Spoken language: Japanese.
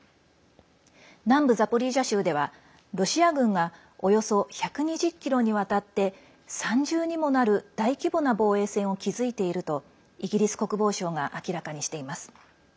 南部ザポリージャ州ではロシア軍がおよそ１２０ｋｍにわたって３重にもなる大規模な防衛線を築いているとイギリス国防省が明らかにしています。